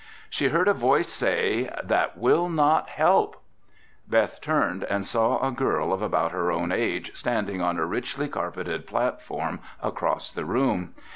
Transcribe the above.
She heard a voice say, "That will not help." Beth turned and saw a girl of about her own age standing on a richly carpeted platform across the room.